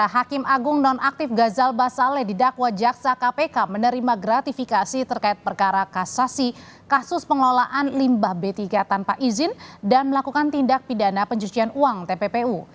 hakim agung nonaktif gazal basale didakwa jaksa kpk menerima gratifikasi terkait perkara kasasi kasus pengelolaan limbah b tiga tanpa izin dan melakukan tindak pidana pencucian uang tppu